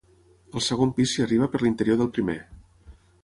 Al segon pis s'hi arriba per l'interior del primer.